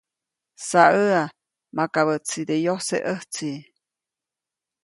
Saʼäʼa, makabäʼtside yojseʼ ʼäjtsi.